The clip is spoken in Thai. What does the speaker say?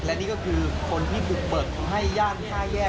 และนี่ก็คือคนที่บุกเบิกทำให้ย่าน๕แยก